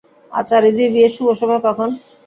আচারি জি, বিয়ের শুভ সময় কখন?